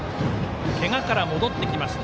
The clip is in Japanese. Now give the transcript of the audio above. けがから戻ってきました